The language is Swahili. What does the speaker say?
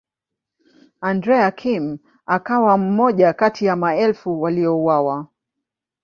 Andrea Kim akawa mmoja kati ya maelfu waliouawa.